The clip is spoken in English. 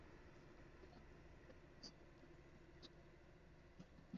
She just sat there picking out the dirt from her dress, recalls Adkins.